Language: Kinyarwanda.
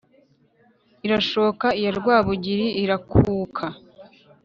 irashoka iya rwábugiri irakuka